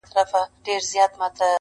او ذهنونه بوخت ساتي ډېر ژر,